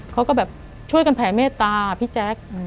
เขาก็แบบช่วยกันแผ่เมตตาพี่แจ๊ค